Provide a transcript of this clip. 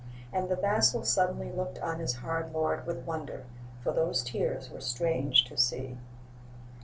And the vassal suddenly Looked on his hard lord with wonder, For those tears were strange to see.